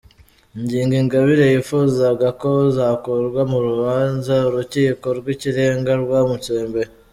Ingingo Ingabire yifuzaga ko zakurwa mu rubanza Urukiko rw’Ikirenga rwamutsembeye